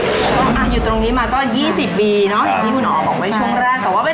ช่องอ่านอยู่ตรงนี้มาก็๒๐ปีเนอะ